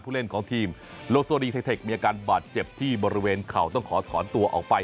เล่นของทีมโลโซดีไทเทคมีอาการบาดเจ็บที่บริเวณเข่าต้องขอถอนตัวออกไป